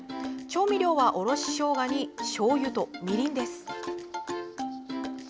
調味料は、おろししょうがにしょうゆと、みりんです。